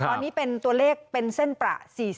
ตอนนี้เป็นตัวเลขเป็นเส้นประ๔๐